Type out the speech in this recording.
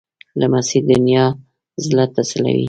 لمسی د نیا زړه تسلوي.